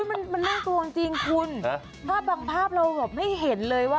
มันน่ากลัวจริงคุณภาพบางภาพเราแบบไม่เห็นเลยว่า